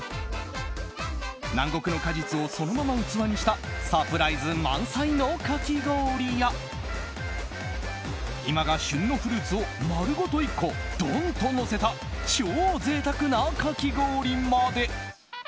南国の果実をそのまま器にしたサプライズ満載のかき氷や今が旬のフルーツを丸ごと１個ドンッとのせた超贅沢なかき氷まで。